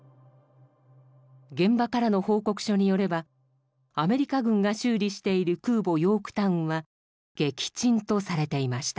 現場からの報告書によればアメリカ軍が修理している空母ヨークタウンは「撃沈」とされていました。